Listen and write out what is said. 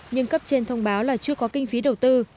nhưng cấp trên thông báo là chưa có kinh phí đầu tư